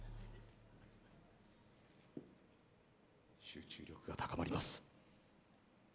集中力が高まります